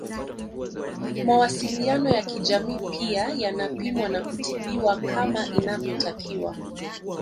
Mawasiliano ya kijamii pia yanapimwa na kutibiwa kama inavyotakiwa